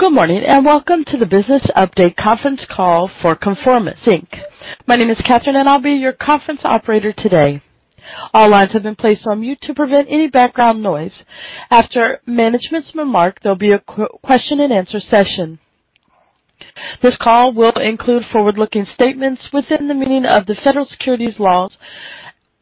Good morning, and welcome to the Business Update Conference Call for ConforMIS Inc. My name is Catherine, and I'll be your conference operator today. All lines have been placed on mute to prevent any background noise. After management's remarks, there'll be a question and answer session. This call will include forward-looking statements within the meaning of the federal securities laws,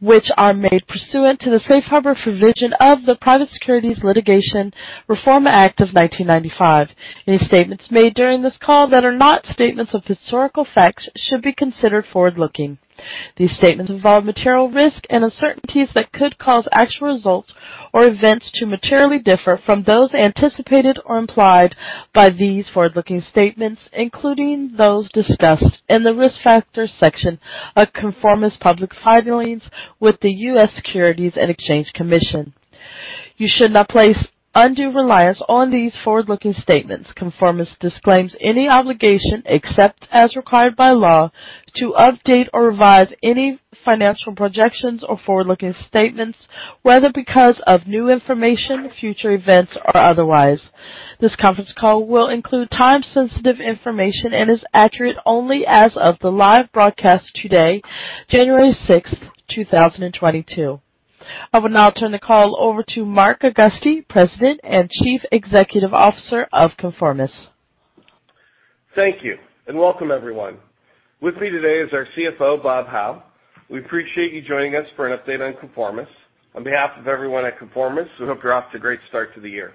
which are made pursuant to the safe harbor provision of the Private Securities Litigation Reform Act of 1995. Any statements made during this call that are not statements of historical facts should be considered forward-looking. These statements involve material risks and uncertainties that could cause actual results or events to materially differ from those anticipated or implied by these forward-looking statements, including those discussed in the Risk Factors section of ConforMIS' public filings with the U.S. Securities and Exchange Commission. You should not place undue reliance on these forward-looking statements. ConforMIS disclaims any obligation, except as required by law, to update or revise any financial projections or forward-looking statements, whether because of new information, future events, or otherwise. This conference call will include time-sensitive information and is accurate only as of the live broadcast today, January 6, 2022. I will now turn the call over to Mark Augusti, President and Chief Executive Officer of ConforMIS. Thank you, and welcome everyone. With me today is our CFO, Bob Howe. We appreciate you joining us for an update on ConforMIS. On behalf of everyone at ConforMIS, we hope you're off to a great start to the year.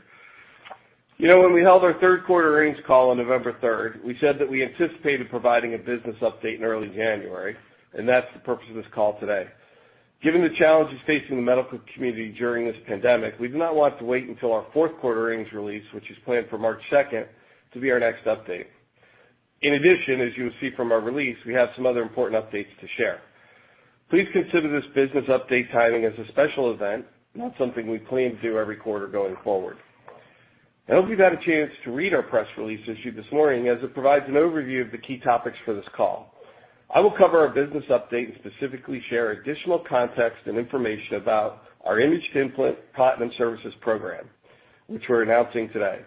You know, when we held our third quarter earnings call on November third, we said that we anticipated providing a business update in early January, and that's the purpose of this call today. Given the challenges facing the medical community during this pandemic, we did not want to wait until our fourth quarter earnings release, which is planned for March second, to be our next update. In addition, as you will see from our release, we have some other important updates to share. Please consider this business update timing as a special event, not something we plan to do every quarter going forward. I hope you've had a chance to read our press release issued this morning, as it provides an overview of the key topics for this call. I will cover our business update and specifically share additional context and information about our Image-to-Implant Platinum Services program, which we're announcing today.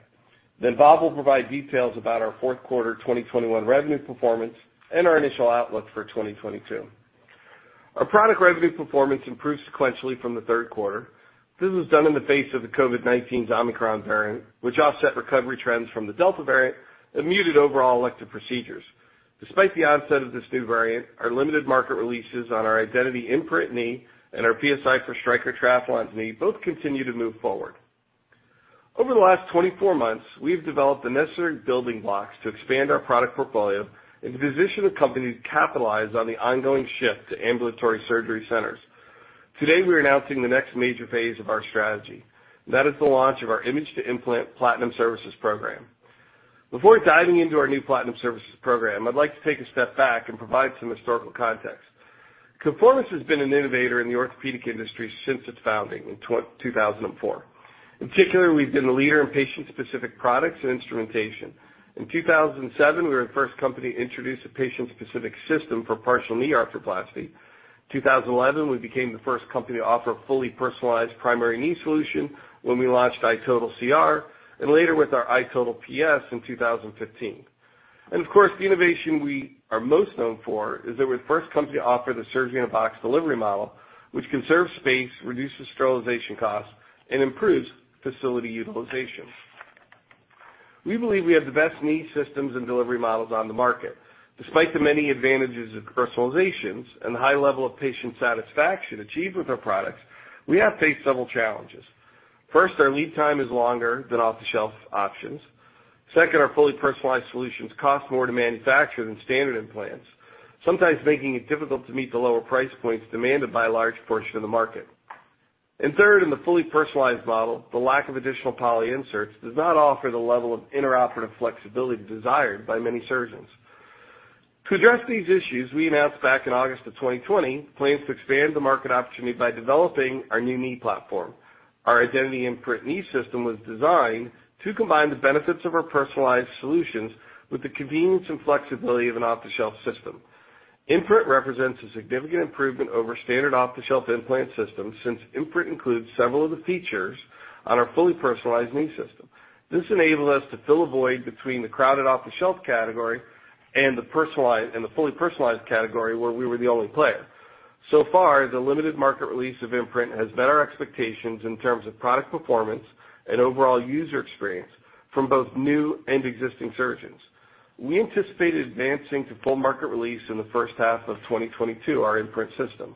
Bob will provide details about our fourth quarter 2021 revenue performance and our initial outlook for 2022. Our product revenue performance improved sequentially from the third quarter. This was done in the face of the COVID-19 Omicron variant, which offset recovery trends from the Delta variant and muted overall elective procedures. Despite the onset of this new variant, our limited market releases on our Identity Imprint knee and our PSI for Stryker Triathlon knee both continue to move forward. Over the last 24 months, we've developed the necessary building blocks to expand our product portfolio and to position the company to capitalize on the ongoing shift to ambulatory surgery centers. Today, we're announcing the next major phase of our strategy. That is the launch of our Image-to-Implant Platinum Services program. Before diving into our new Platinum Services program, I'd like to take a step back and provide some historical context. ConforMIS has been an innovator in the orthopedic industry since its founding in 2004. In particular, we've been a leader in patient-specific products and instrumentation. In 2007, we were the first company to introduce a patient-specific system for partial knee arthroplasty. 2011, we became the first company to offer a fully personalized primary knee solution when we launched iTotal CR, and later with our iTotal PS in 2015. Of course, the innovation we are most known for is that we're the first company to offer the Surgery-in-a-Box™ delivery model, which conserves space, reduces sterilization costs, and improves facility utilization. We believe we have the best knee systems and delivery models on the market. Despite the many advantages of personalizations and the high level of patient satisfaction achieved with our products, we have faced several challenges. First, our lead time is longer than off-the-shelf options. Second, our fully personalized solutions cost more to manufacture than standard implants, sometimes making it difficult to meet the lower price points demanded by a large portion of the market. Third, in the fully personalized model, the lack of additional poly inserts does not offer the level of intraoperative flexibility desired by many surgeons. To address these issues, we announced back in August of 2020 plans to expand the market opportunity by developing our new knee platform. Our Identity Imprint knee system was designed to combine the benefits of our personalized solutions with the convenience and flexibility of an off-the-shelf system. Imprint represents a significant improvement over standard off-the-shelf implant systems since Imprint includes several of the features on our fully personalized knee system. This enabled us to fill a void between the crowded off-the-shelf category and the personalized and the fully personalized category, where we were the only player. So far, the limited market release of Imprint has met our expectations in terms of product performance and overall user experience from both new and existing surgeons. We anticipate advancing to full market release in the first half of 2022, our Imprint system.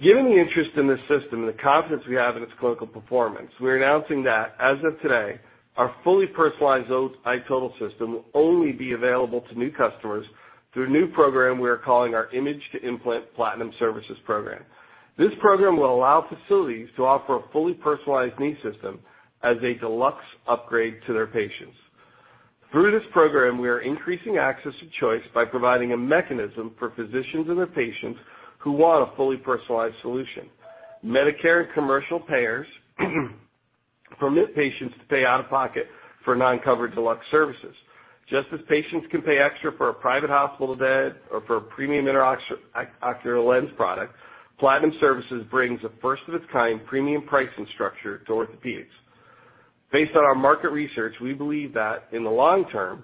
Given the interest in this system and the confidence we have in its clinical performance, we're announcing that, as of today, our fully personalized iTotal system will only be available to new customers through a new program we are calling our Image-to-Implant Platinum Services program. This program will allow facilities to offer a fully personalized knee system as a deluxe upgrade to their patients. Through this program, we are increasing access to choice by providing a mechanism for physicians and their patients who want a fully personalized solution. Medicare and commercial payers permit patients to pay out of pocket for non-covered deluxe services. Just as patients can pay extra for a private hospital bed or for a premium intraocular lens product, Platinum Services brings a first of its kind premium pricing structure to orthopedics. Based on our market research, we believe that in the long term,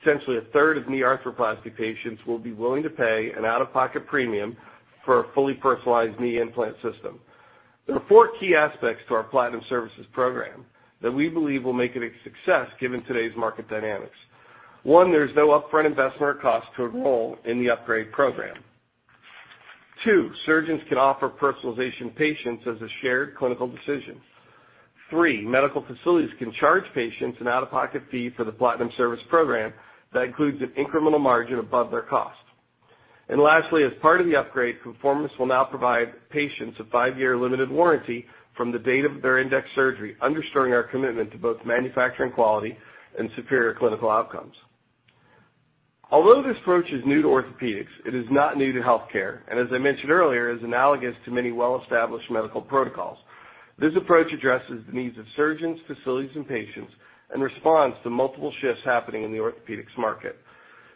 potentially a third of knee arthroplasty patients will be willing to pay an out-of-pocket premium for a fully personalized knee implant system. There are four key aspects to our Platinum Services program that we believe will make it a success given today's market dynamics. One, there's no upfront investment or cost to enroll in the upgrade program. Two, surgeons can offer personalization to patients as a shared clinical decision. Three, medical facilities can charge patients an out-of-pocket fee for the Platinum Services program that includes an incremental margin above their cost. Lastly, as part of the upgrade, ConforMIS will now provide patients a five-year limited warranty from the date of their index surgery, underscoring our commitment to both manufacturing quality and superior clinical outcomes. Although this approach is new to orthopedics, it is not new to healthcare, and as I mentioned earlier, is analogous to many well-established medical protocols. This approach addresses the needs of surgeons, facilities, and patients and responds to multiple shifts happening in the orthopedics market.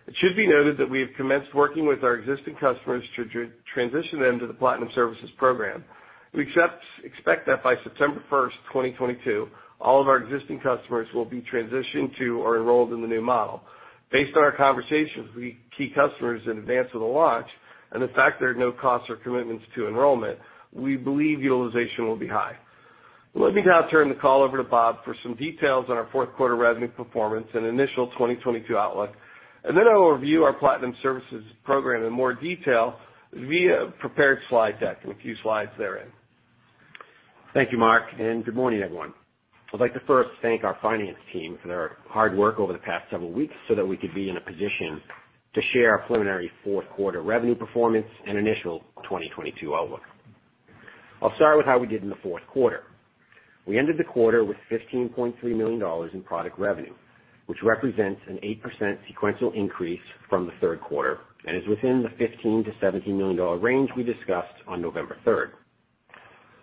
It should be noted that we have commenced working with our existing customers to transition them to the Platinum Services program. We expect that by September 1st, 2022, all of our existing customers will be transitioned to or enrolled in the new model. Based on our conversations with key customers in advance of the launch and the fact there are no costs or commitments to enrollment, we believe utilization will be high. Let me now turn the call over to Bob for some details on our fourth quarter revenue performance and initial 2022 outlook, and then I will review our Platinum Services program in more detail via a prepared slide deck and a few slides therein. Thank you Mark, and good morning everyone. I'd like to first thank our finance team for their hard work over the past several weeks so that we could be in a position to share our preliminary fourth quarter revenue performance and initial 2022 outlook. I'll start with how we did in the fourth quarter. We ended the quarter with $15.3 million in product revenue, which represents an 8% sequential increase from the third quarter and is within the $15 million-$17 million range we discussed on November third.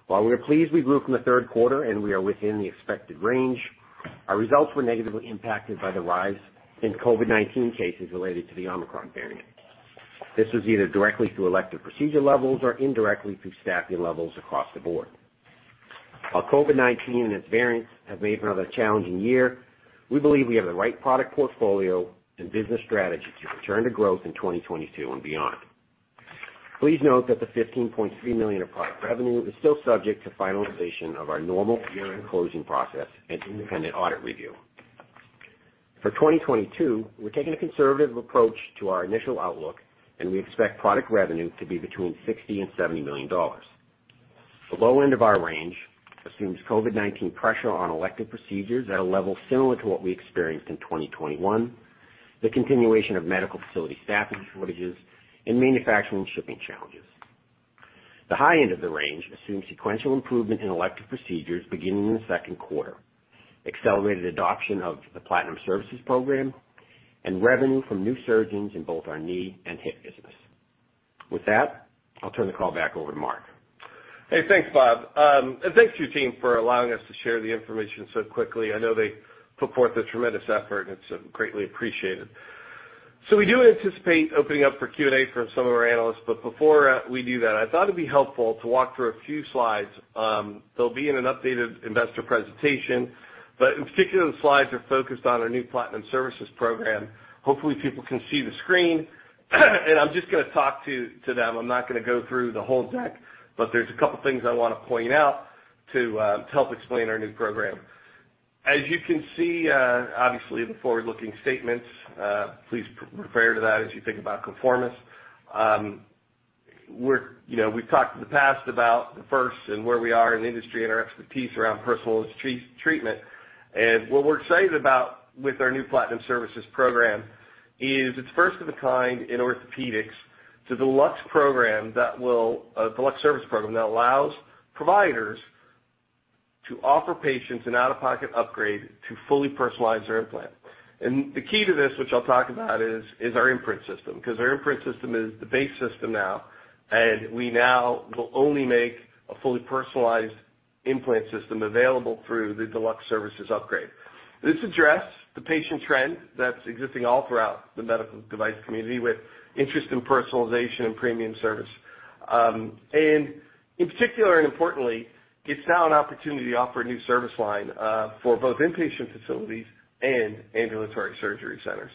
While we are pleased we grew from the third quarter and we are within the expected range, our results were negatively impacted by the rise in COVID-19 cases related to the Omicron variant. This was either directly through elective procedure levels or indirectly through staffing levels across the board. While COVID-19 and its variants have made for another challenging year, we believe we have the right product portfolio and business strategy to return to growth in 2022 and beyond. Please note that the $15.3 million of product revenue is still subject to finalization of our normal year-end closing process and independent audit review. For 2022, we're taking a conservative approach to our initial outlook, and we expect product revenue to be between $60 million and $70 million. The low end of our range assumes COVID-19 pressure on elective procedures at a level similar to what we experienced in 2021, the continuation of medical facility staffing shortages, and manufacturing shipping challenges. The high end of the range assumes sequential improvement in elective procedures beginning in the second quarter, accelerated adoption of the Platinum Services program, and revenue from new surgeons in both our knee and hip business. With that, I'll turn the call back over to Mark. Hey, thanks Bob. Thanks to your team for allowing us to share the information so quickly. I know they put forth a tremendous effort, and it's greatly appreciated. We do anticipate opening up for Q&A from some of our analysts, but before we do that, I thought it'd be helpful to walk through a few slides. They'll be in an updated investor presentation, but in particular, the slides are focused on our new Platinum Services program. Hopefully, people can see the screen. I'm just gonna talk to them. I'm not gonna go through the whole deck, but there's a couple things I wanna point out to help explain our new program. As you can see, obviously the forward-looking statements, please refer to that as you think about ConforMIS. We're, you know, we've talked in the past about the fit and where we are in the industry and our expertise around personalized treatment. What we're excited about with our new Platinum Services program is it's first of a kind in orthopedics. It's a deluxe service program that allows providers to offer patients an out-of-pocket upgrade to fully personalize their implant. The key to this, which I'll talk about, is our Imprint system, 'cause our Imprint system is the base system now, and we now will only make a fully personalized implant system available through the deluxe services upgrade. This addresses the patient trend that's existing all throughout the medical device community with interest in personalization and premium service. In particular and importantly, it's now an opportunity to offer a new service line for both inpatient facilities and ambulatory surgery centers.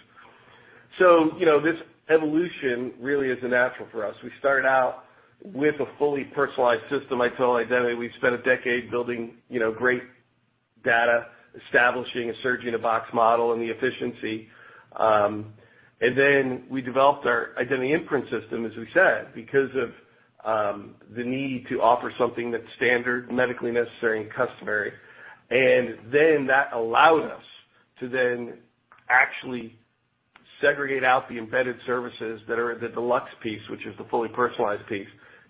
You know, this evolution really is a natural for us. We started out with a fully personalized system, iTotal Identity. We've spent a decade building, you know, great data, establishing a Surgery-in-a-Box™ model and the efficiency. We developed our Identity Imprint system, as we said, because of the need to offer something that's standard, medically necessary and customary. That allowed us to then actually segregate out the embedded services that are the deluxe piece, which is the fully personalized piece,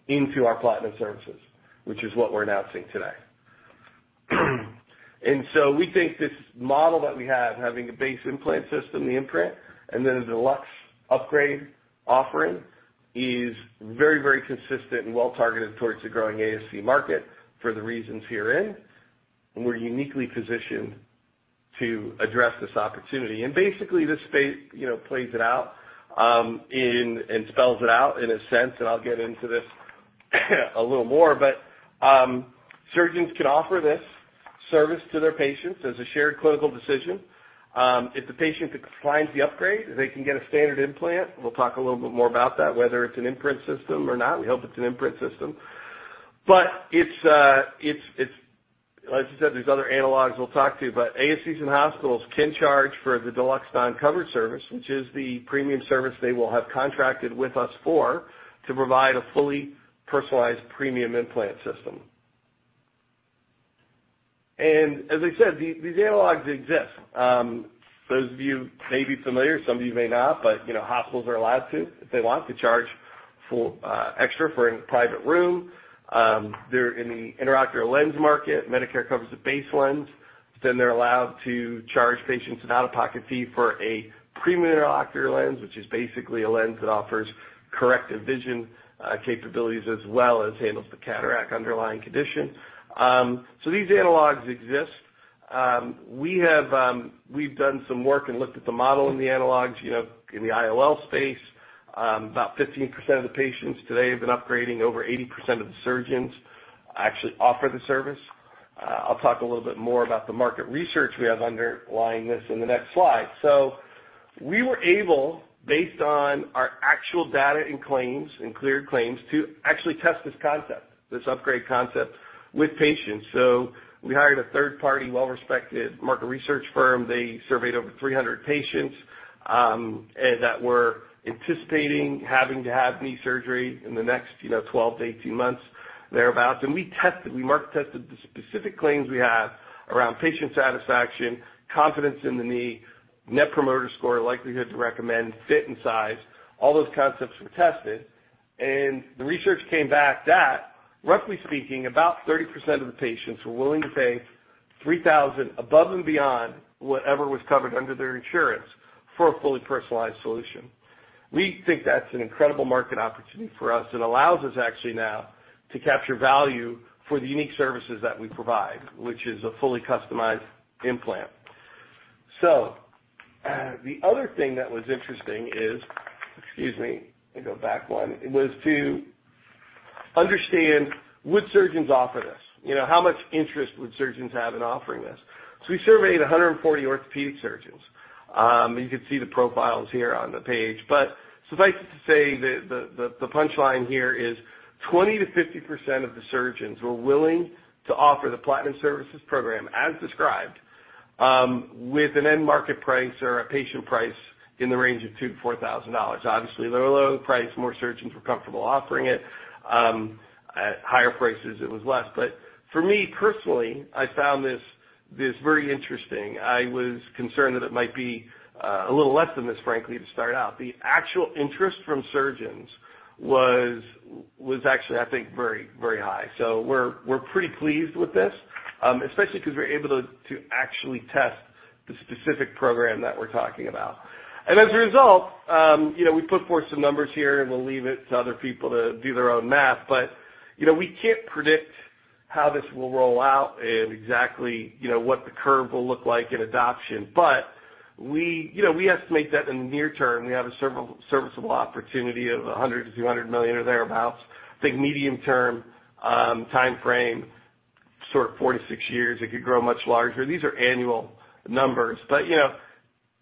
into our Platinum Services, which is what we're announcing today. We think this model that we have, having a base implant system, the Imprint, and then a deluxe upgrade offering, is very, very consistent and well targeted towards the growing ASC market for the reasons herein. We're uniquely positioned to address this opportunity. Basically, this, you know, plays it out and spells it out in a sense, and I'll get into this a little more. Surgeons can offer this service to their patients as a shared clinical decision. If the patient declines the upgrade, they can get a standard implant. We'll talk a little bit more about that, whether it's an Imprint system or not. We hope it's an Imprint system. It's like I said, there's other analogs we'll talk to you, but ASCs and hospitals can charge for the deluxe non-covered service, which is the premium service they will have contracted with us for to provide a fully personalized premium implant system. As I said, these analogs exist. Those of you may be familiar, some of you may not, but you know, hospitals are allowed to, if they want, to charge for extra for in private room. They're in the intraocular lens market. Medicare covers the base lens. Then they're allowed to charge patients an out-of-pocket fee for a premium intraocular lens, which is basically a lens that offers corrective vision capabilities as well as handles the cataract underlying condition. These analogs exist. We have, we've done some work and looked at the model in the analogs. You know, in the IOL space, about 15% of the patients today have been upgrading. Over 80% of the surgeons actually offer the service. I'll talk a little bit more about the market research we have underlying this in the next slide. We were able, based on our actual data and claims and cleared claims, to actually test this concept, this upgrade concept with patients. We hired a third party well-respected market research firm. They surveyed over 300 patients that were anticipating having to have knee surgery in the next, you know, 12-18 months, thereabout. We tested, we market tested the specific claims we have around patient satisfaction, confidence in the knee, net promoter score, likelihood to recommend, fit and size, all those concepts were tested. The research came back that, roughly speaking, about 30% of the patients were willing to pay $3,000 above and beyond whatever was covered under their insurance for a fully personalized solution. We think that's an incredible market opportunity for us and allows us actually now to capture value for the unique services that we provide, which is a fully customized implant. The other thing that was interesting was to understand, would surgeons offer this? You know, how much interest would surgeons have in offering this? We surveyed 140 orthopedic surgeons. You can see the profiles here on the page. Suffice it to say the punch line here is 20%-50% of the surgeons were willing to offer the Platinum Services program as described, with an end-market price or a patient price in the range of $2,000-$4,000. Obviously, the lower the price, more surgeons were comfortable offering it. At higher prices, it was less. For me personally, I found this very interesting. I was concerned that it might be a little less than this, frankly, to start out. The actual interest from surgeons was actually, I think, very high. We're pretty pleased with this, especially because we're able to actually test the specific program that we're talking about. As a result you know, we put forth some numbers here, and we'll leave it to other people to do their own math. You know, we can't predict how this will roll out and exactly, you know, what the curve will look like in adoption. You know, we estimate that in the near term, we have a serviceable opportunity of $100 million-$200 million or thereabout. I think medium-term timeframe, sort of 4-6 years, it could grow much larger. These are annual numbers. You know,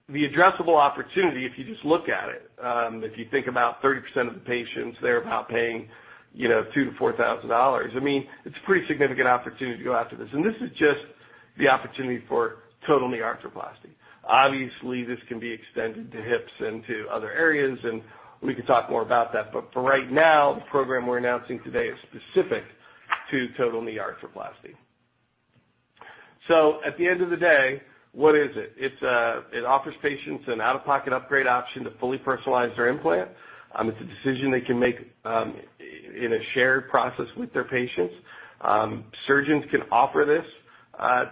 the addressable opportunity, if you just look at it, if you think about 30% of the patients thereabout paying, you know, $2,000-$4,000, I mean, it's a pretty significant opportunity to go after this. This is just the opportunity for total knee arthroplasty. Obviously, this can be extended to hips and to other areas, and we can talk more about that. For right now, the program we're announcing today is specific to total knee arthroplasty. At the end of the day, what is it? It offers patients an out-of-pocket upgrade option to fully personalize their implant. It's a decision they can make in a shared process with their surgeon. Surgeons can offer this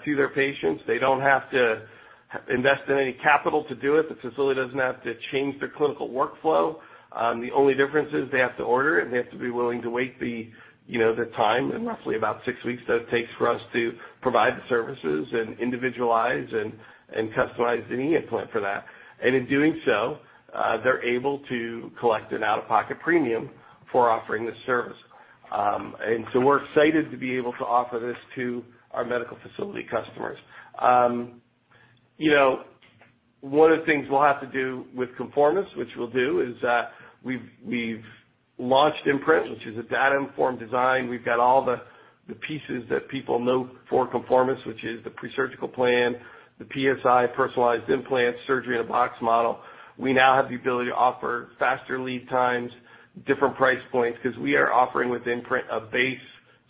to their patients. They don't have to invest in any capital to do it. The facility doesn't have to change their clinical workflow. The only difference is they have to order it and they have to be willing to wait, you know, the time and roughly about six weeks that it takes for us to provide the services and individualize and customize the knee implant for that. In doing so, they're able to collect an out-of-pocket premium for offering this service. We're excited to be able to offer this to our medical facility customers. You know, one of the things we'll have to do with ConforMIS, which we'll do, is we've launched Imprint, which is a data-informed design. We've got all the pieces that people know for ConforMIS, which is the pre-surgical plan, the PSI personalized implant Surgery-in-a-Box™ model. We now have the ability to offer faster lead times, different price points, 'cause we are offering with Imprint a base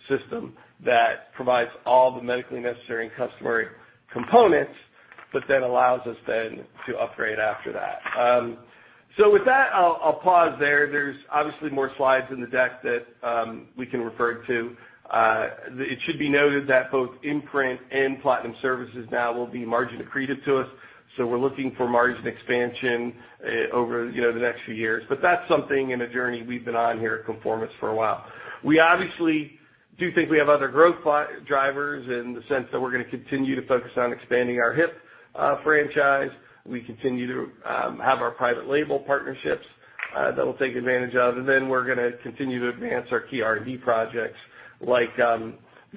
system that provides all the medically necessary and customary components, but then allows us then to upgrade after that. With that, I'll pause there. There's obviously more slides in the deck that we can refer to. It should be noted that both Imprint and Platinum Services now will be margin accretive to us, so we're looking for margin expansion over, you know, the next few years. That's something and a journey we've been on here at ConforMIS for a while. We obviously do think we have other growth drivers in the sense that we're gonna continue to focus on expanding our hip franchise. We continue to have our private label partnerships that we'll take advantage of. Then we're gonna continue to advance our key R&D projects like the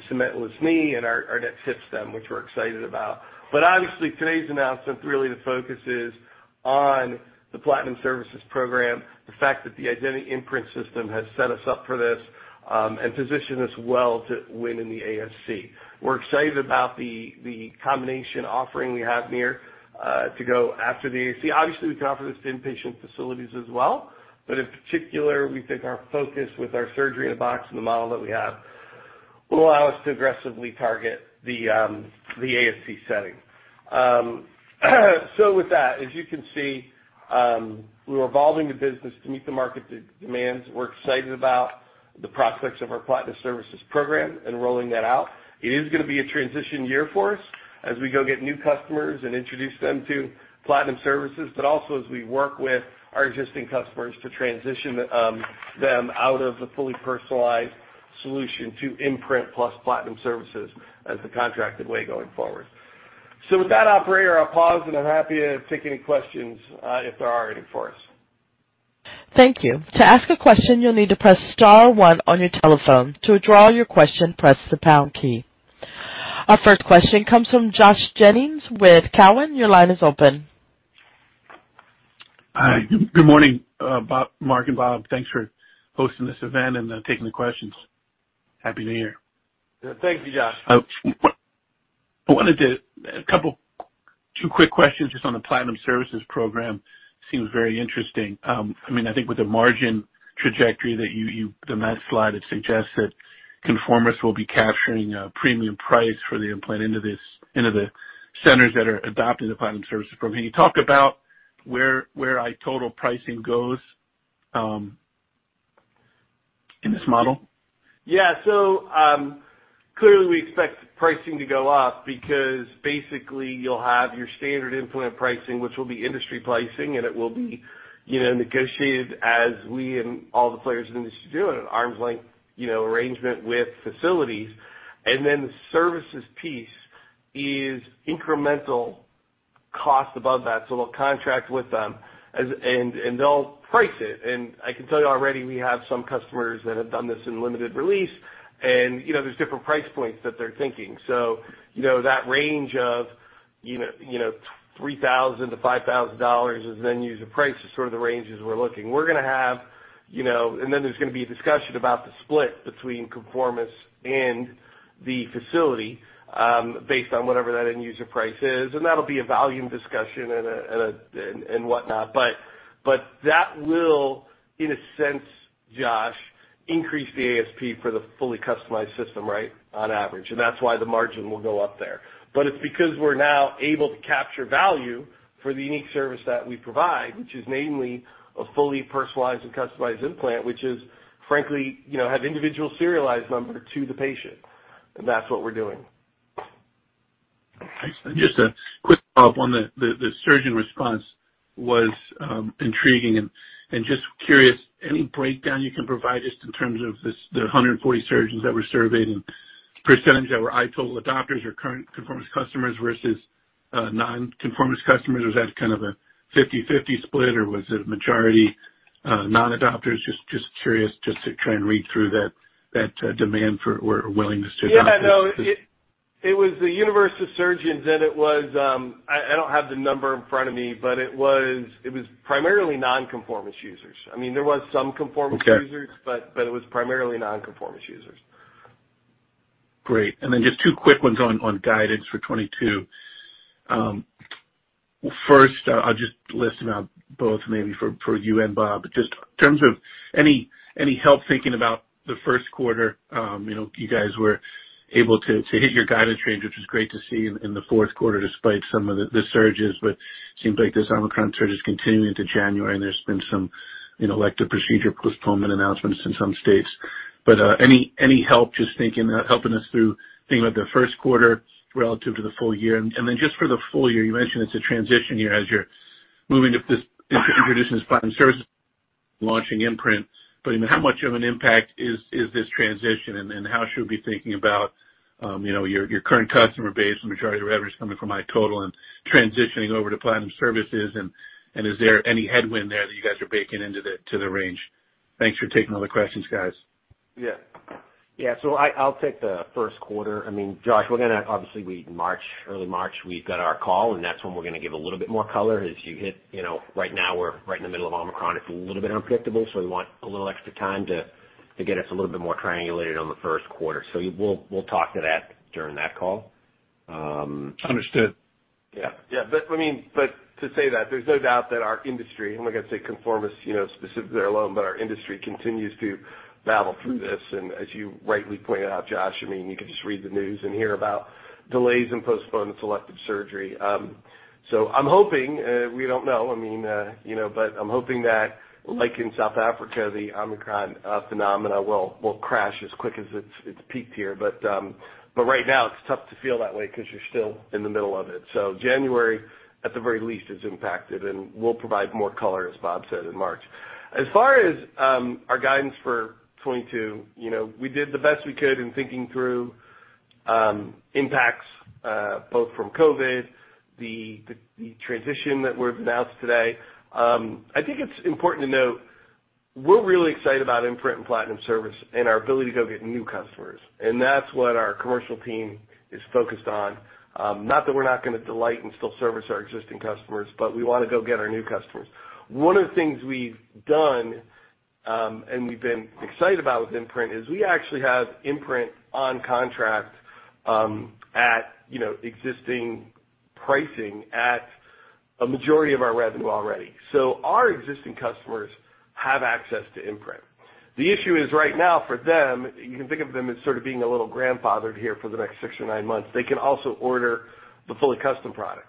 cementless knee and our next hip stem, which we're excited about. Today's announcement, really the focus is on the Platinum Services program, the fact that the Identity Imprint system has set us up for this and positioned us well to win in the ASC. We're excited about the combination offering we have here to go after the ASC. Obviously, we can offer this to inpatient facilities as well, but in particular, we think our focus with our Surgery-in-a-Box and the model that we have will allow us to aggressively target the ASC setting. With that, as you can see, we're evolving the business to meet the market demands. We're excited about the prospects of our Platinum Services program and rolling that out. It is gonna be a transition year for us as we go get new customers and introduce them to Platinum Services, but also as we work with our existing customers to transition them out of the fully personalized solution to Imprint plus Platinum Services as the contracted way going forward. With that, operator I'll pause, and I'm happy to take any questions, if there are any for us. Thank you. To ask a question you need to press star one on your telephone. To withdraw your question, press the pound key. Our first question comes from Josh Jennings with Cowen. Your line is open. Hi. Good morning, Mark and Bob. Thanks for hosting this event and taking the questions. Happy New Year. Thank you Josh. Wanted to a couple, two quick questions just on the Platinum Services program. Seems very interesting. I mean, I think with the margin trajectory that you the med slide, it suggests that ConforMIS will be capturing a premium price for the implant into the centers that are adopting the Platinum Services program. Can you talk about where iTotal pricing goes in this model? Yeah. Clearly, we expect pricing to go up because basically you'll have your standard implant pricing, which will be industry pricing, and it will be, you know, negotiated as we and all the players in the industry do it at arm's length, you know, arrangement with facilities. Then the services piece is incremental cost above that. We'll contract with them. And they'll price it. I can tell you already we have some customers that have done this in limited release, and you know, there's different price points that they're thinking. You know, that range of, you know, $3,000-$5,000 as the end user price is sort of the ranges we're looking. We're gonna have, you know. Then there's gonna be a discussion about the split between ConforMIS and the facility, based on whatever that end user price is. That'll be a volume discussion and whatnot. But that will, in a sense Josh, increase the ASP for the fully customized system, right, on average. That's why the margin will go up there. But it's because we're now able to capture value for the unique service that we provide, which is namely a fully personalized and customized implant, which is frankly, you know, has individual serial number to the patient. That's what we're doing. Thanks. Just a quick follow-up on the surgeon response was intriguing and just curious, any breakdown you can provide just in terms of this, the 140 surgeons that were surveyed and percentage that were iTotal adopters or current ConforMIS customers versus non-ConforMIS customers? Was that kind of a 50/50 split, or was it a majority non-adopters? Just curious to try and read through that demand for or willingness to adopt this. Yeah. No. It was the universe of surgeons, and I don't have the number in front of me, but it was primarily non-ConforMIS users. I mean, there was some ConforMIS users- Okay. It was primarily non-ConforMIS users. Great. Just two quick ones on guidance for 2022. First, I'll just list them out both maybe for you and Bob. Just in terms of any help thinking about the first quarter, you know, you guys were able to hit your guidance range, which was great to see in the fourth quarter despite some of the surges. It seems like this Omicron surge is continuing into January, and there's been some, you know, elective procedure postponement announcements in some states. But any help just thinking, helping us through thinking about the first quarter relative to the full year? And then just for the full year, you mentioned it's a transition year as you're moving to this, introducing this Platinum Services and launching Imprint. I mean how much of an impact is this transition, and how should we be thinking about, you know, your current customer base and the majority of the revenue is coming from iTotal and transitioning over to Platinum Services? Is there any headwind there that you guys are baking into the range? Thanks for taking all the questions, guys. Yeah. Yeah. I'll take the first quarter. I mean, Josh, we're gonna obviously in March, early March, we've got our call, and that's when we're gonna give a little bit more color as you hit. You know, right now we're right in the middle of Omicron. It's a little bit unpredictable, so we want a little extra time to get us a little bit more triangulated on the first quarter. We'll talk to that during that call. Understood. Yeah. I mean, to say that there's no doubt that our industry, I'm not gonna say ConforMIS, you know, specifically alone, but our industry continues to battle through this. As you rightly pointed out, Josh, I mean, you can just read the news and hear about delays and postponements to elective surgery. I'm hoping, we don't know, I mean, you know, but I'm hoping that like in South Africa, the Omicron phenomena will crash as quick as it's peaked here. Right now it's tough to feel that way 'cause you're still in the middle of it. January at the very least is impacted, and we'll provide more color as Bob said in March. As far as our guidance for 2022, you know, we did the best we could in thinking through impacts, both from COVID, the transition that we've announced today. I think it's important to note we're really excited about Imprint and Platinum Services and our ability to go get new customers, and that's what our commercial team is focused on. Not that we're not gonna delight and still service our existing customers, but we wanna go get our new customers. One of the things we've done, and we've been excited about with Imprint is we actually have Imprint on contract, you know, existing pricing at a majority of our revenue already. So our existing customers have access to Imprint. The issue is right now for them, you can think of them as sort of being a little grandfathered here for the next six or nine months. They can also order the fully custom product.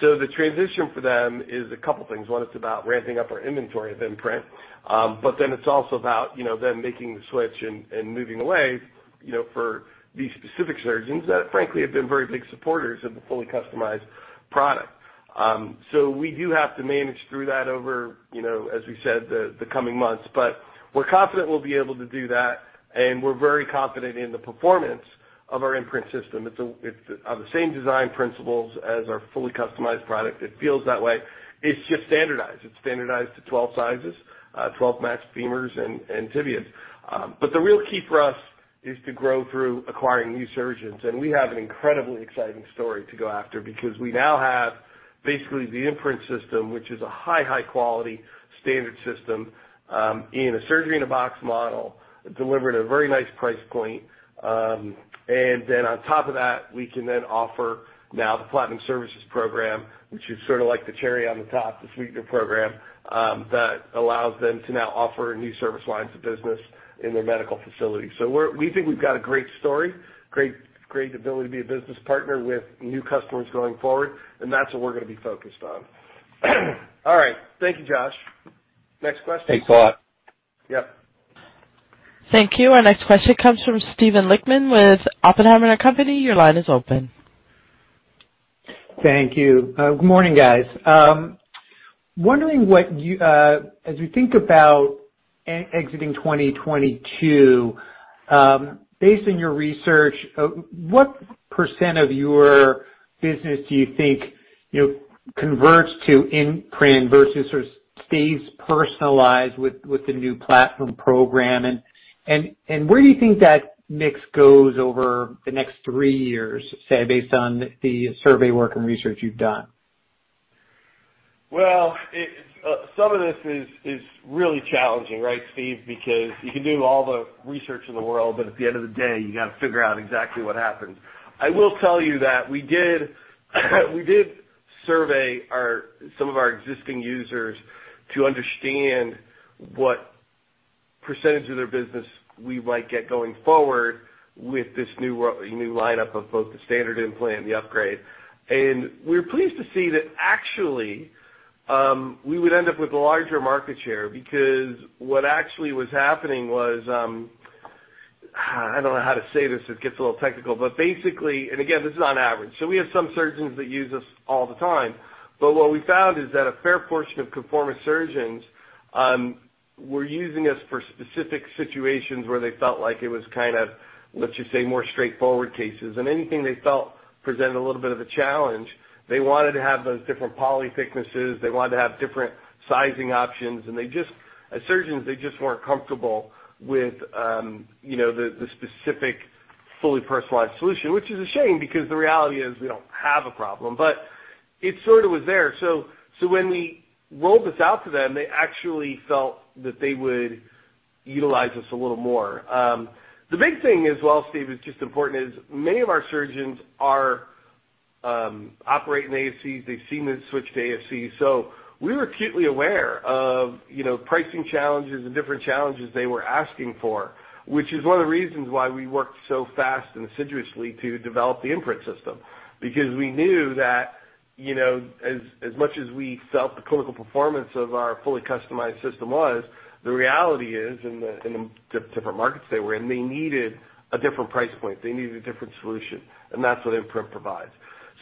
The transition for them is a couple things. One, it's about ramping up our inventory of Imprint, but then it's also about, you know, them making the switch and moving away, you know, for these specific surgeons that frankly have been very big supporters of the fully customized product. We do have to manage through that over you know, as we said, the coming months, but we're confident we'll be able to do that, and we're very confident in the performance of our Imprint system. It's of the same design principles as our fully customized product. It feels that way, it's just standardized. It's standardized to 12 sizes, 12 max femurs and tibias. The real key for us is to grow through acquiring new surgeons, and we have an incredibly exciting story to go after because we now have basically the Imprint system, which is a high quality standard system, in a Surgery-in-a-Box™ model, delivered at a very nice price point. Then on top of that, we can then offer now the Platinum Services program, which is sorta like the cherry on the top to sweeten the program, that allows them to now offer new service lines of business in their medical facilities. We think we've got a great story, great ability to be a business partner with new customers going forward, and that's what we're gonna be focused on. All right. Thank you, Josh. Next question. Thanks a lot. Yep. Thank you. Our next question comes from Steven Lichtman with Oppenheimer and Company. Your line is open. Thank you. Good morning guys. Wondering, as we think about exiting 2022, based on your research, what percent of your business do you think, you know, converts to Imprint versus or stays personalized with the new platform program? And where do you think that mix goes over the next three years, say, based on the survey work and research you've done? Well, some of this is really challenging, right, Steve? Because you can do all the research in the world, but at the end of the day, you gotta figure out exactly what happens. I will tell you that we did survey some of our existing users to understand what percentage of their business we might get going forward with this new lineup of both the standard implant and the upgrade. We're pleased to see that actually, we would end up with a larger market share because what actually was happening was, I don't know how to say this, it gets a little technical, but basically, and again, this is on average, so we have some surgeons that use us all the time, but what we found is that a fair portion of ConforMIS surgeons were using us for specific situations where they felt like it was kind of, let's just say more straightforward cases. Anything they felt presented a little bit of a challenge, they wanted to have those different poly thicknesses, they wanted to have different sizing options, and they just, as surgeons, they just weren't comfortable with, you know, the specific fully personalized solution, which is a shame because the reality is we don't have a problem. It sort of was there. So when we rolled this out to them, they actually felt that they would utilize us a little more. The big thing as well Steve, it's just important is many of our surgeons are operating ASC. They've seen the switch to ASC, so we were acutely aware of, you know, pricing challenges and different challenges they were asking for, which is one of the reasons why we worked so fast and assiduously to develop the Imprint system because we knew that, you know, as much as we felt the clinical performance of our fully customized system was, the reality is in the different markets they were in, they needed a different price point. They needed a different solution, and that's what Imprint provides.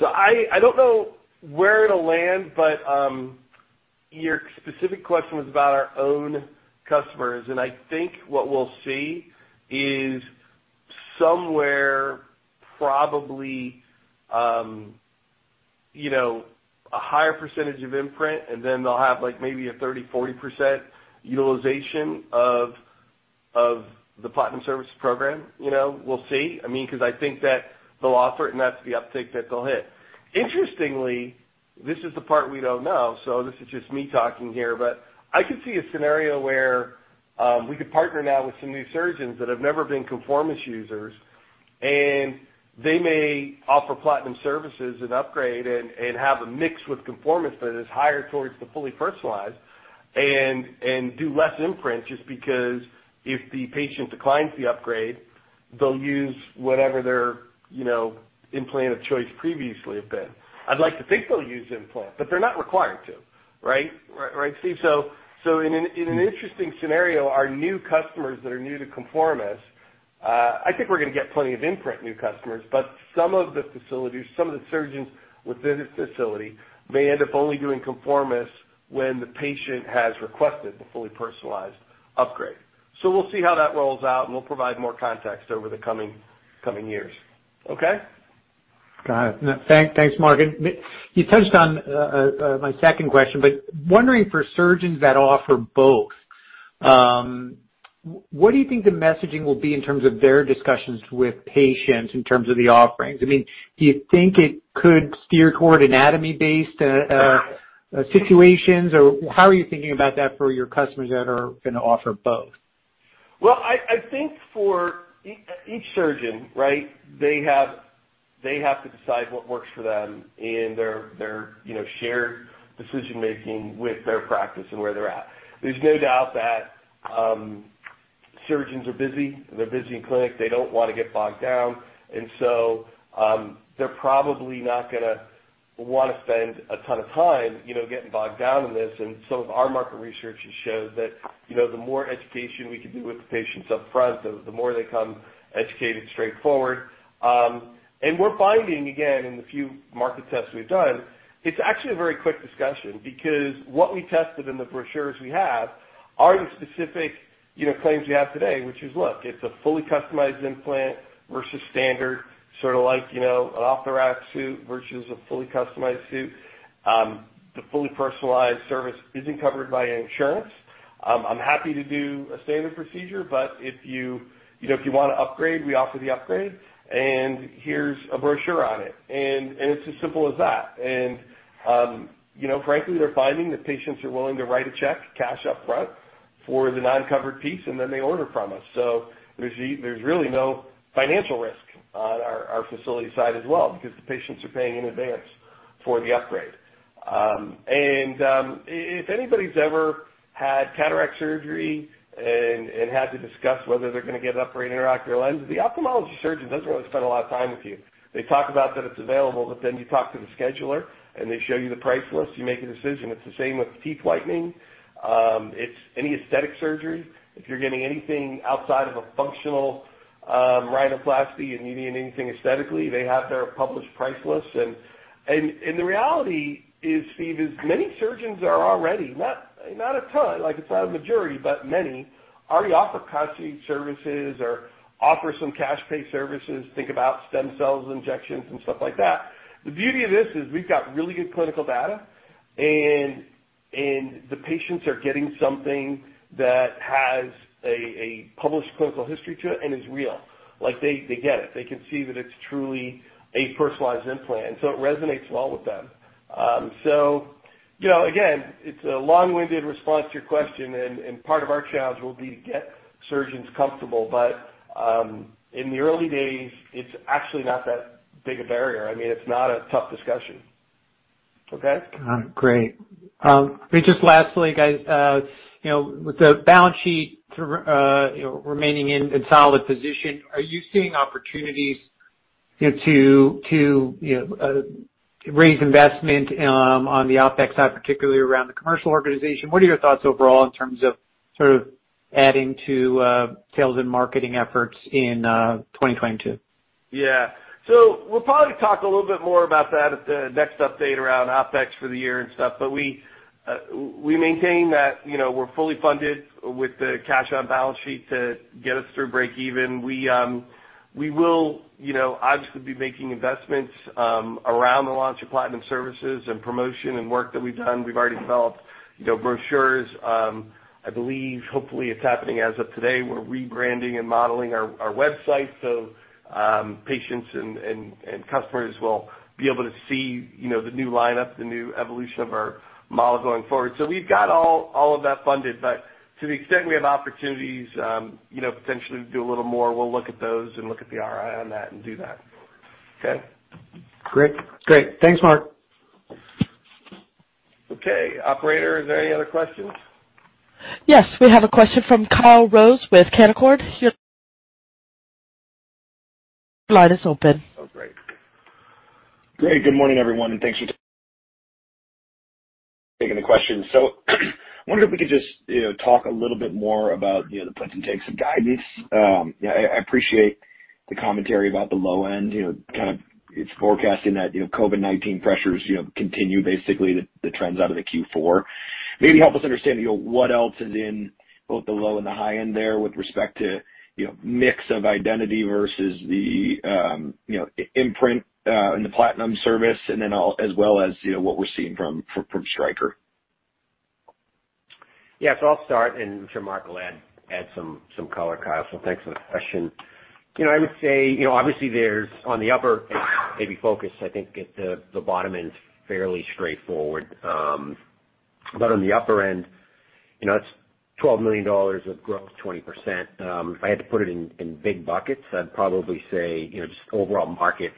I don't know where it'll land, but your specific question was about our own customers, and I think what we'll see is somewhere probably you know a higher percentage of Imprint, and then they'll have like maybe a 30%-40% utilization of the Platinum Services program. You know, we'll see. I mean, 'cause I think that they'll offer it and that's the uptick that they'll hit. Interestingly, this is the part we don't know, so this is just me talking here, but I could see a scenario where we could partner now with some new surgeons that have never been ConforMIS users, and they may offer Platinum Services and upgrade and have a mix with ConforMIS that is higher towards the fully personalized and do less Imprint just because if the patient declines the upgrade, they'll use whatever their, you know, implant of choice previously had been. I'd like to think they'll use Imprint, but they're not required to, right? Right, Steve? In an interesting scenario, our new customers that are new to ConforMIS, I think we're gonna get plenty of Imprint new customers, but some of the facilities, some of the surgeons within the facility may end up only doing ConforMIS when the patient has requested the fully personalized upgrade. We'll see how that rolls out, and we'll provide more context over the coming years. Okay? Got it. Thanks, Mark. You touched on my second question, wondering for surgeons that offer both, what do you think the messaging will be in terms of their discussions with patients in terms of the offerings? I mean, do you think it could steer toward anatomy-based situations? Or how are you thinking about that for your customers that are gonna offer both? Well, I think for each surgeon right, they have to decide what works for them in their, you know, shared decision-making with their practice and where they're at. There's no doubt that surgeons are busy. They're busy in clinic. They don't wanna get bogged down. They're probably not gonna wanna spend a ton of time, you know, getting bogged down in this. Some of our market research has showed that, you know, the more education we can do with the patients up front, the more they come educated straightforward. We're finding, again, in the few market tests we've done, it's actually a very quick discussion because what we tested in the brochures we have are the specific, you know, claims you have today, which is, look, it's a fully customized implant versus standard, sort of like, you know, an off-the-rack suit versus a fully customized suit. The fully personalized service isn't covered by insurance. I'm happy to do a standard procedure, but if you know, if you wanna upgrade, we offer the upgrade, and here's a brochure on it. It's as simple as that. You know, frankly, they're finding that patients are willing to write a check, cash up front for the non-covered piece, and then they order from us. There's really no financial risk on our facility side as well because the patients are paying in advance for the upgrade. If anybody's ever had cataract surgery and had to discuss whether they're gonna get an upgrade or intraocular lens, the ophthalmologist doesn't really spend a lot of time with you. They talk about that it's available, but then you talk to the scheduler, and they show you the price list, you make a decision. It's the same with teeth whitening. It's any aesthetic surgery. If you're getting anything outside of a functional rhinoplasty and you need anything aesthetically, they have their published price list. The reality is Steven, many surgeons are already, not a ton, like it's not a majority, but many already offer concierge services or offer some cash pay services. Think about stem cells, injections and stuff like that. The beauty of this is we've got really good clinical data and the patients are getting something that has a published clinical history to it and is real. Like they get it. They can see that it's truly a personalized implant, so it resonates well with them. You know, again, it's a long-winded response to your question and part of our challenge will be to get surgeons comfortable. In the early days, it's actually not that big a barrier. I mean, it's not a tough discussion. Okay. Got it. Great. Just lastly guys, you know, with the balance sheet, you know, remaining in a solid position, are you seeing opportunities, you know, to you know raise investment on the OpEx side, particularly around the commercial organization? What are your thoughts overall in terms of sort of adding to sales and marketing efforts in 2022? Yeah. We'll probably talk a little bit more about that at the next update around OpEx for the year and stuff. We maintain that, you know, we're fully funded with the cash on balance sheet to get us through break even. We will, you know, obviously be making investments around the launch of Platinum Services and promotion and work that we've done. We've already developed, you know, brochures. I believe hopefully it's happening as of today, we're rebranding and modeling our website, so patients and customers will be able to see, you know, the new lineup, the new evolution of our model going forward. We've got all of that funded. To the extent we have opportunities, you know, potentially to do a little more, we'll look at those and look at the ROI on that and do that. Okay? Great. Great. Thanks Mark. Okay, operator is there any other questions? Yes, we have a question from Kyle Rose with Canaccord. Your line is open. Oh, great. Great. Good morning everyone, and thanks for taking the question. I wonder if we could just, you know, talk a little bit more about, you know, the puts and takes of guidance. I appreciate the commentary about the low end. You know, kind of it's forecasting that, you know, COVID-19 pressures, you know, continue basically the trends out of the Q4. Maybe help us understand, you know, what else is in both the low and the high end there with respect to, you know, mix of Identity versus the Imprint and the Platinum Services as well as, you know, what we're seeing from Stryker. Yeah. I'll start, and I'm sure Mark will add some color Kyle, so thanks for the question. You know, I would say, you know, obviously there's more focus on the upper end, I think. At the bottom end, fairly straightforward. But on the upper end, you know, it's $12 million of growth, 20%. If I had to put it in big buckets, I'd probably say, you know, just overall market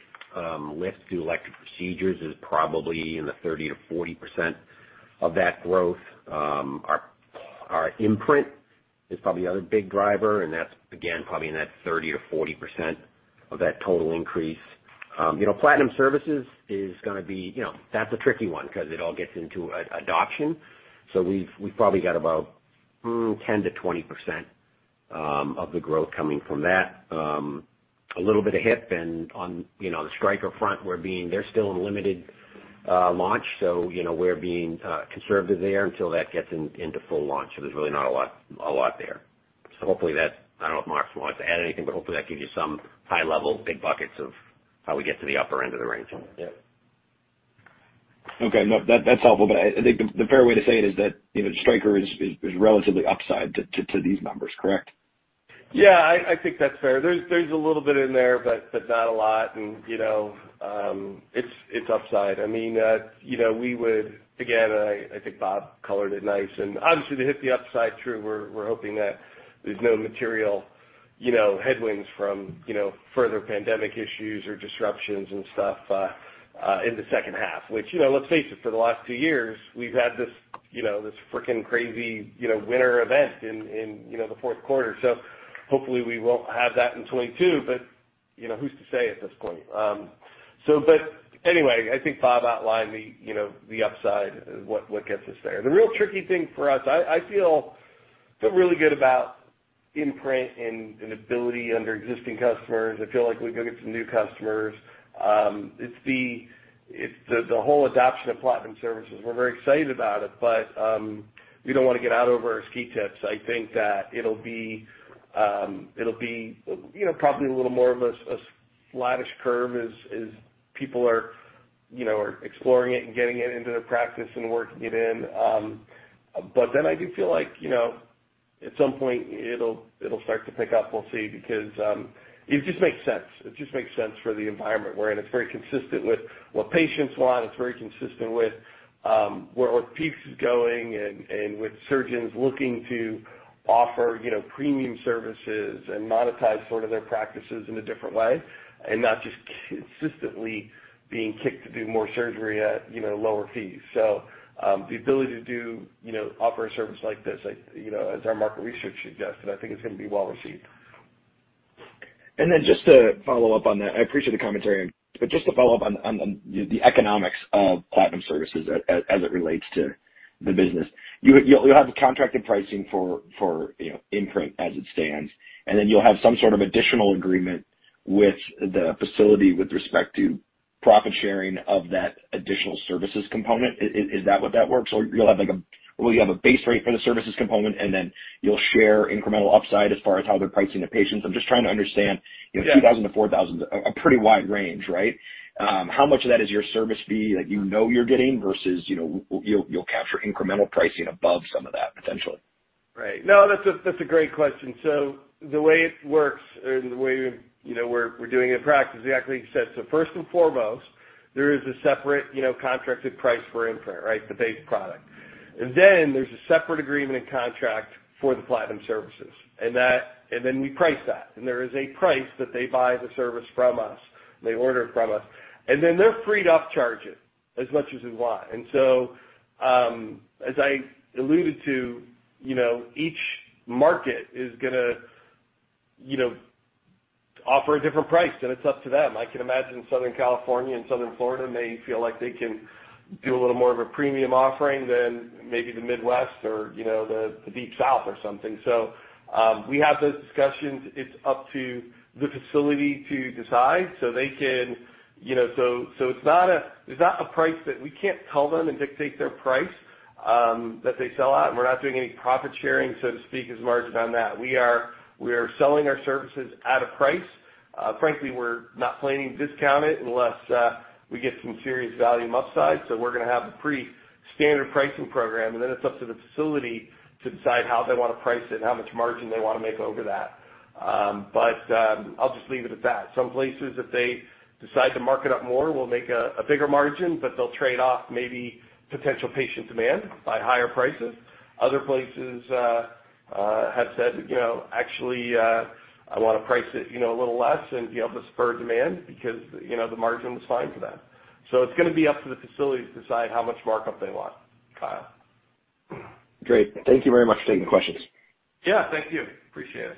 lift to elective procedures is probably in the 30%-40% of that growth. Our Imprint is probably the other big driver, and that's again, probably in that 30%-40% of that total increase. You know, Platinum Services is gonna be, you know, that's a tricky one because it all gets into adoption. We've probably got about 10%-20%. Of the growth coming from that. A little bit of hip and, you know, on the Stryker front, they're still in limited launch, so, you know, we're being conservative there until that gets into full launch. There's really not a lot there. I don't know if Mark wants to add anything, but hopefully that gives you some high level, big buckets of how we get to the upper end of the range. Yeah. Okay. No, that's helpful. But I think the fair way to say it is that, you know, Stryker is relatively upside to these numbers, correct? Yeah, I think that's fair. There's a little bit in there, but not a lot. You know, it's upside. I mean, you know, we would again, I think Bob colored it nice. Obviously to hit the upside, true, we're hoping that there's no material headwinds from further pandemic issues or disruptions and stuff in the second half. You know, let's face it, for the last two years, we've had this freaking crazy winter event in the fourth quarter. Hopefully we won't have that in 2022. You know, who's to say at this point? But anyway, I think Bob outlined the upside, what gets us there. The real tricky thing for us. I feel really good about Imprint and ability under existing customers. I feel like we can get some new customers. It's the whole adoption of Platinum Services. We're very excited about it, but we don't wanna get out over our skis. I think that it'll be you know, probably a little more of a flattish curve as people are you know, are exploring it and getting it into their practice and working it in. But then I do feel like you know, at some point it'll start to pick up. We'll see. Because it just makes sense. It just makes sense for the environment we're in. It's very consistent with what patients want. It's very consistent with where our peaks is going and with surgeons looking to offer, you know, premium services and monetize sort of their practices in a different way, and not just consistently being kicked to do more surgery at, you know, lower fees. The ability to do, you know, offer a service like this, you know, as our market research suggested, I think it's gonna be well received. Just to follow up on that, I appreciate the commentary. Just to follow up on the economics of Platinum Services as it relates to the business. You'll have contracted pricing for, you know, Imprint as it stands, and then you'll have some sort of additional agreement with the facility with respect to profit sharing of that additional services component. Is that what that works? Or you'll have a base rate for the services component, and then you'll share incremental upside as far as how they're pricing the patients? I'm just trying to understand, you know, $2,000-$4,000 is a pretty wide range, right? How much of that is your service fee that you know you're getting versus, you know, you'll capture incremental pricing above some of that potentially? Right. No, that's a great question. The way it works and the way, you know, we're doing it in practice is exactly as you said. First and foremost, there is a separate, you know, contracted price for Imprint, right? The base product. Then there's a separate agreement and contract for the Platinum Services. We price that. There is a price that they buy the service from us, they order it from us. Then they're free to charge it as much as they want. As I alluded to, you know, each market is gonna, you know, offer a different price, and it's up to them. I can imagine Southern California and Southern Florida may feel like they can do a little more of a premium offering than maybe the Midwest or, you know, the Deep South or something. We have those discussions. It's up to the facility to decide so they can, you know. It's not a price that we can't tell them and dictate their price that they sell at, and we're not doing any profit sharing, so to speak, as margin on that. We are selling our services at a price. Frankly, we're not planning to discount it unless we get some serious volume upside. We're gonna have a pretty standard pricing program, and then it's up to the facility to decide how they wanna price it and how much margin they wanna make over that. I'll just leave it at that. Some places, if they decide to mark it up more, will make a bigger margin, but they'll trade off maybe potential patient demand for higher prices. Other places have said, you know, "Actually, I wanna price it, you know, a little less and, you know, to spur demand," because, you know, the margin was fine for them. It's gonna be up to the facilities to decide how much markup they want, Kyle. Great. Thank you very much for taking the questions. Yeah, thank you. Appreciate it.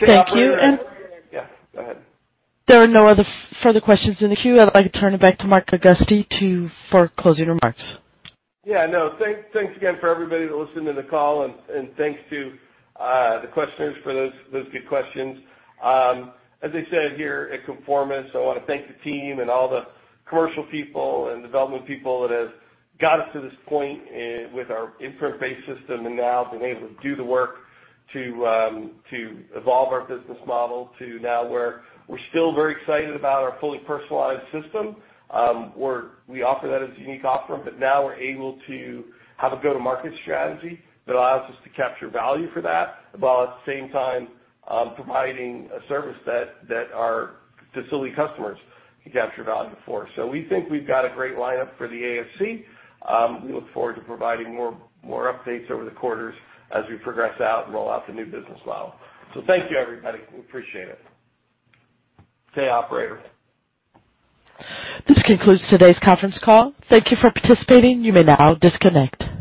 Thank you. Yeah, go ahead. There are no other further questions in the queue. I'd like to turn it back to Mark Augusti for closing remarks. Yeah, no, thanks again for everybody that listened to the call, and thanks to the questioners for those good questions. As I said here at ConforMIS, I wanna thank the team and all the commercial people and development people that have got us to this point with our Imprint-based system, and now being able to do the work to evolve our business model to now where we're still very excited about our fully personalized system, where we offer that as a unique offering. Now we're able to have a go-to-market strategy that allows us to capture value for that while at the same time providing a service that our facility customers can capture value for. We think we've got a great lineup for the ASC. We look forwrd to providing more updates over the quarters as we progress out and roll out the new business model. Thank you, everybody. We appreciate it. Okay operator. This concludes today's conference call. Thank you for participating. You may now disconnect.